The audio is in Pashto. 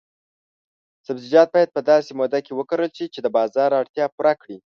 سبزیجات باید په داسې موده کې وکرل شي چې د بازار اړتیا پوره کړي.